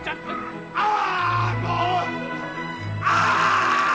ああ！